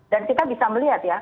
dan kita bisa melihat ya